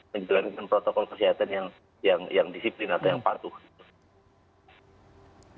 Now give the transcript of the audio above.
menjalankan protokol kesehatan yang disiplin atau yang patuh